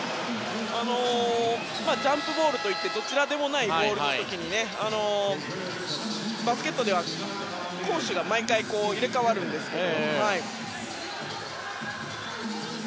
ジャンプボールといってどちらでもないボールの時にバスケットでは攻守が毎回入れ替わるんですけど。